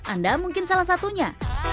anda mungkin salah satunya